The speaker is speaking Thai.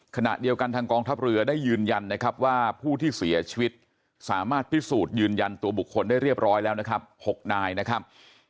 ขณะเดียวกันทางกองทัพเรือได้ยืนยันนะครับว่าผู้ที่เสียชีวิตสามารถพิสูจน์ยืนยันตัวบุคคลได้เรียบร้อยแล้วนะครับ๖นายนะครับ